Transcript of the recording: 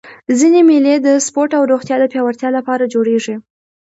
ځيني مېلې د سپورټ او روغتیا د پیاوړتیا له پاره جوړېږي.